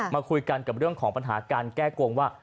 มาคุยกันกับเรื่องของปัญหาการแก้โกงว่า